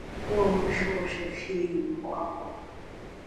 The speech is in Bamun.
Me na nkuôme nshôshe fii yùm pua’ puo.